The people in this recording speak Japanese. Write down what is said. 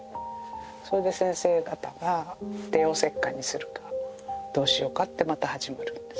それで先生方が帝王切開にするかどうしようかってまた始まるんです。